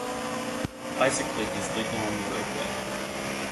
Bicycling is legal on the roadway.